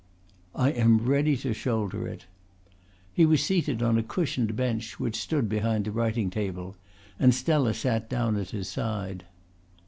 "I am ready to shoulder it." He was seated on a cushioned bench which stood behind the writing table and Stella sat down at his side.